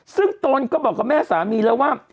ซึ่งตนก็บอกกับแม่สามีแล้วว่า